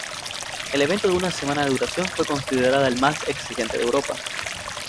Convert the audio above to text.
El evento, de una semana de duración, fue considerado el más exigente de Europa.